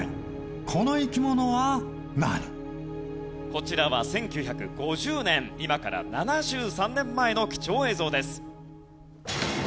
こちらは１９５０年今から７３年前の貴重映像です。